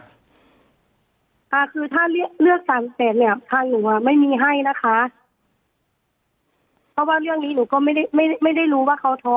อ่าคือถ้าเลือกสามแสนเนี่ยถ้าหนูไม่มีให้นะคะเพราะว่าเรื่องนี้หนูก็ไม่ได้รู้ว่าเขาท้อง